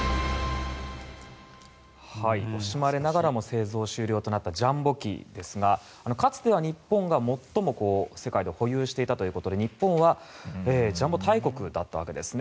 惜しまれながらも製造終了となったジャンボ機ですがかつては日本が最も世界で保有していたということで日本はジャンボ大国だったわけですね。